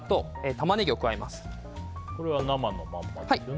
これは生のままですよね。